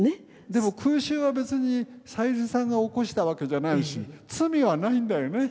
でも空襲は別に小百合さんが起こしたわけじゃないし罪はないんだよね。